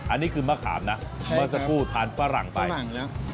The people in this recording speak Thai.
อันนี้คือมะขามนะใช่ครับมาสักครู่ทานฝรั่งไปฝรั่งแล้ว